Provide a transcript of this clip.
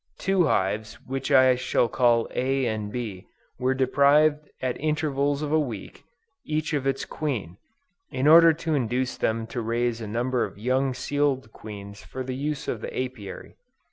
Two hives which I shall call A and B, were deprived at intervals of a week, each of its queen, in order to induce them to raise a number of young sealed queens for the use of the Apiary.